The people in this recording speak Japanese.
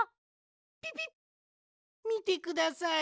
ピピッみてください。